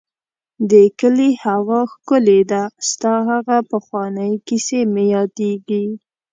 د کلي هوا ښکلې ده ، ستا هغه پخوانی کيسې مې ياديږي.